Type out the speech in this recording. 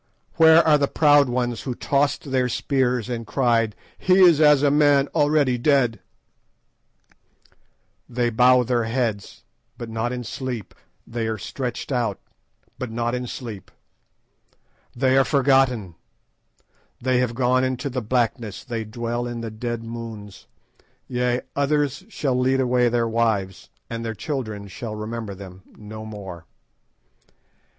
"Where are the proud ones who tossed their spears and cried, 'He is as a man already dead'? "They bow their heads, but not in sleep; they are stretched out, but not in sleep. "They are forgotten; they have gone into the blackness; they dwell in the dead moons; yea, others shall lead away their wives, and their children shall remember them no more.